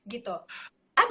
gitu ada itu komen mungkin